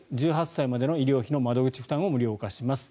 １８歳までの医療費の窓口負担を無料化します。